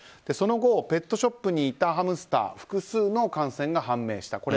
その後、ペットショップにいたハムスター複数の感染が判明した。